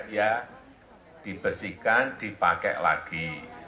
ya dibersihkan dipakai lagi